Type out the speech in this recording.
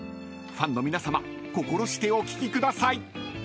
［ファンの皆さま心してお聞きください］